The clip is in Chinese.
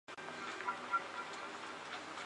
森尚子。